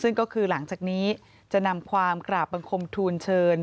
ซึ่งก็คือหลังจากนี้จะนำความกราบบังคมทูลเชิญ